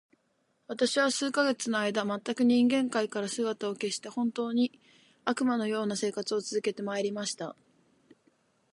私は数ヶ月の間、全く人間界から姿を隠して、本当に、悪魔の様な生活を続けて参りました。